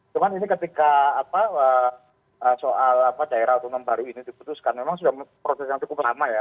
cuma ini ketika soal daerah otonom baru ini diputuskan memang sudah proses yang cukup lama ya